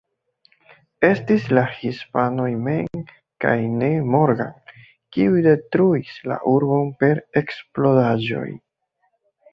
Estis la hispanoj mem kaj ne Morgan, kiuj detruis la urbon per eksplodaĵoj.